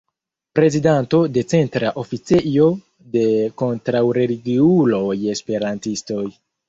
Prezidanto de Centra oficejo de kontraŭreligiuloj-Esperantistoj.